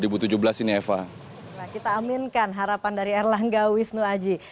nah kita aminkan harapan dari erlangga wisnu aji